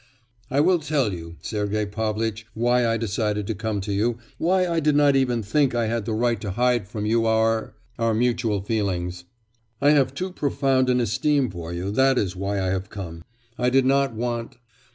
'I will tell you, Sergei Pavlitch, why I decided to come to you, why I did not even think I had the right to hide from you our our mutual feelings. I have too profound an esteem for you that is why I have come; I did not want...